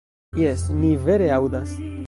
Jes, mi vere aŭdas!